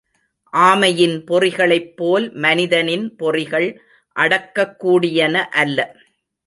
ஆமையின் பொறிகளைப் போல் மனிதனின் பொறிகள் அடக்கக்கூடியன அல்ல.